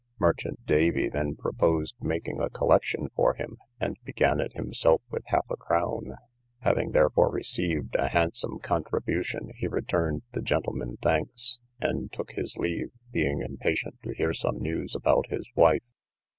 Merchant Davy then proposed making a collection for him, and began it himself with half a crown; having therefore received a handsome contribution, he returned the gentlemen thanks, and took his leave, being impatient to hear some news about his wife.